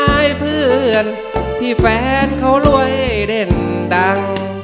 อายเพื่อนที่แฟนเขารวยเล่นดัง